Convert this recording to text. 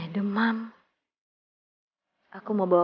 aku gak mau kesana